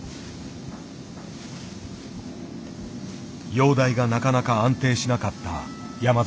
容体がなかなか安定しなかった山崎さん。